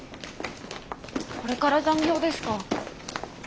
これから残業ですか？